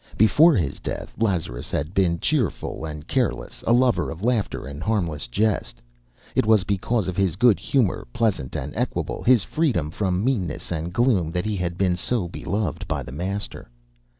Before his death Lazarus had been cheerful and careless, a lover of laughter and harmless jest. It was because of his good humour, pleasant and equable, his freedom from meanness and gloom, that he had been so beloved by the Master.